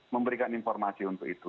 memberikan informasi untuk itu